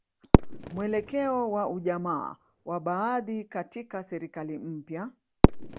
Mwelekeo wa ujamaa wa baadhi katika serikali mpya